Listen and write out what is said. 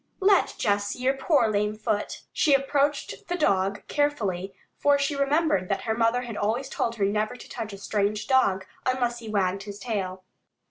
"Let Jess see your poor lame foot." She approached the dog carefully, for she remembered that her mother had always told her never to touch a strange dog unless he wagged his tail.